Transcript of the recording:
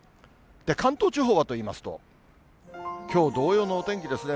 関東地方はといいますと、きょう同様のお天気ですね。